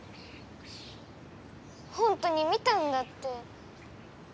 ほんとに見たんだって。